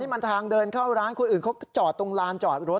มันทางเดินเข้าร้านคนอื่นเขาจอดตรงลานจอดรถ